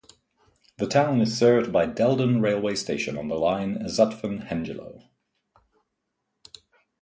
The town is served by Delden railway station on the line Zutphen-Hengelo.